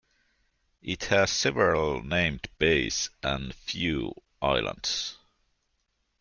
It has several named bays, and a few islands.